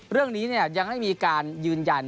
เรื่องนี้ยังไม่มีการยืนยัน